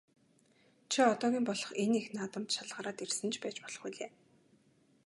Чи одоогийн болох энэ их наадамд шалгараад ирсэн ч байж болох билээ.